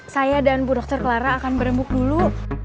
saya dan bu dokter clara akan berembuk dulu